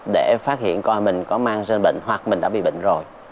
để phát hiện coi mình có mang rơi bệnh hoặc mình đã bị bệnh rồi